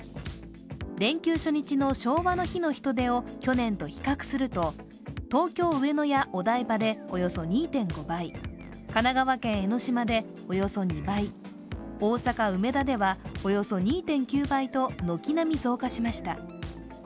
連休初日の昭和の日の人出を去年と比較すると、およそ２．５倍、神奈川県江の島でおよそ２倍、大阪・梅田では、およそ２．９倍と軒並み増加しました。